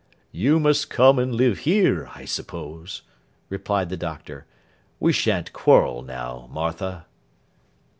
'You must come and live here, I suppose,' replied the Doctor. 'We shan't quarrel now, Martha.